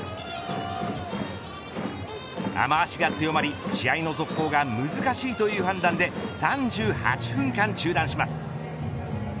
雨脚が強まり、試合の続行が難しいという判断で３８分間中断します。